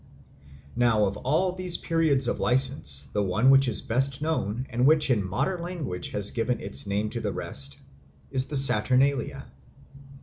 Now, of all these periods of license the one which is best known and which in modern language has given its name to the rest, is the Saturnalia.